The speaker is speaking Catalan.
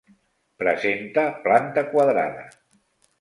Presenta planta quadrada.